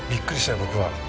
僕は。